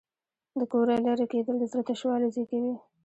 د کوره لرې کېدل د زړه تشوالی زېږوي.